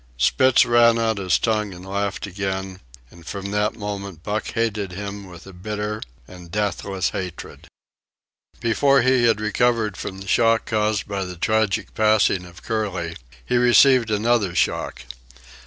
Spitz ran out his tongue and laughed again, and from that moment Buck hated him with a bitter and deathless hatred. Before he had recovered from the shock caused by the tragic passing of Curly, he received another shock.